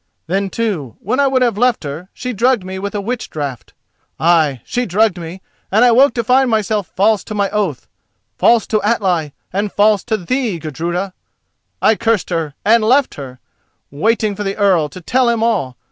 Then too, when I would have left her, she drugged me with a witch draught—ay, she drugged me, and I woke to find myself false to my oath, false to Atli, and false to thee, Gudruda. I cursed her and I left her, waiting for the Earl, to tell him all.